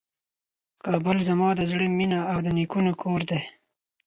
کابل زما د زړه مېنه او د نیکونو کور دی.